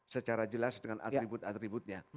secara jelas dengan atribut atributnya